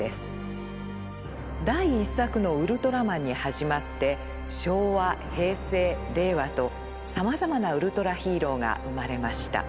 第１作のウルトラマンに始まって昭和平成令和とさまざまなウルトラヒーローが生まれました。